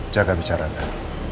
jangan bicara andi